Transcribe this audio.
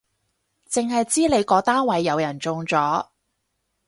剩係知你個單位有人中咗